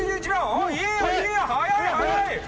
おぉいいよいいよ早い早い！